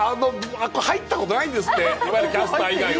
入ったことないんですって、キャスター以外は。